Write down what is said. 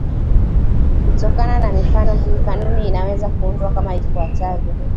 Kutokana na mifano hii, kanuni inaweza kuundwa kama ifuatavyo: